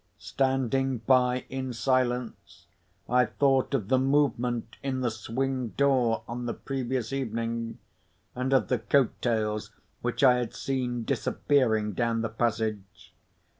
Standing by in silence, I thought of the movement in the swing door on the previous evening, and of the coat tails which I had seen disappearing down the passage.